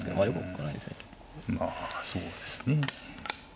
まあそうですね。